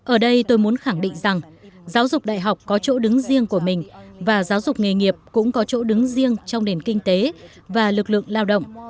ở đây tôi muốn khẳng định rằng giáo dục đại học có chỗ đứng riêng của mình và giáo dục nghề nghiệp cũng có chỗ đứng riêng trong nền kinh tế và lực lượng lao động